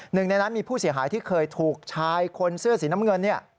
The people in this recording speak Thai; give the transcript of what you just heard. หนึ่งในนั้นมีผู้เสียหายที่เคยถูกชายคนเสื้อสีน้ำเงินเนี่ย